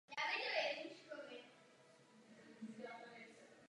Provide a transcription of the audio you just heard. Elektrická fontána je vodní fontána ve městě.